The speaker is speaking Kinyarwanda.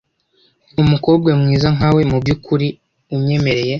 umukobwa mwiza nkawe mubyukuri unyemereye